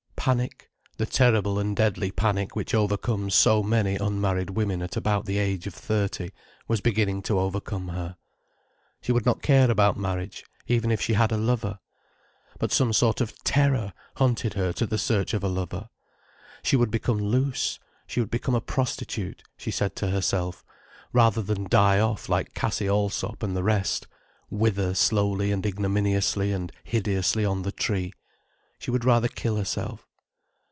Panic, the terrible and deadly panic which overcomes so many unmarried women at about the age of thirty, was beginning to overcome her. She would not care about marriage, if even she had a lover. But some sort of terror hunted her to the search of a lover. She would become loose, she would become a prostitute, she said to herself, rather than die off like Cassie Allsop and the rest, wither slowly and ignominiously and hideously on the tree. She would rather kill herself.